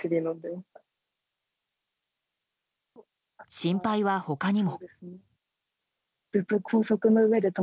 心配は他にも。